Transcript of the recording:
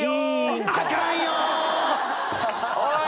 おい。